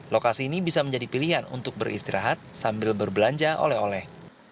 lokasi ini bisa menjadi pilihan untuk beristirahat sambil berbelanja oleh oleh